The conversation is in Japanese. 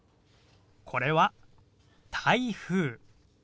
これは「台風」。